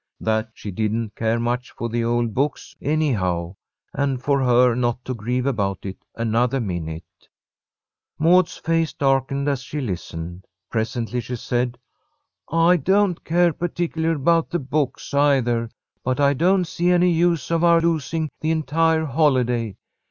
That she didn't care much for the old books, anyhow, and for her not to grieve about it another minute. Maud's face darkened as she listened. Presently she said: "I don't care particularly about the books, either, but I don't see any use of our losing the entire holiday.